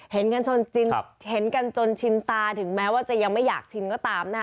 เห็นกันชนเห็นกันจนชินตาถึงแม้ว่าจะยังไม่อยากชินก็ตามนะคะ